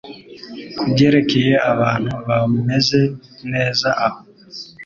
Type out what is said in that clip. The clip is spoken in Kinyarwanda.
Kubyerekeye abantu bameze neza aho